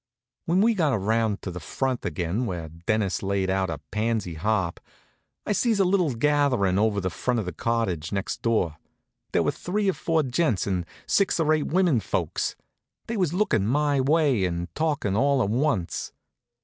When we got around to the front again, where Dennis has laid out a pansy harp, I sees a little gatherin' over in front of the cottage next door. There was three or four gents, and six or eight women folks. They was lookin' my way, and talkin' all to once.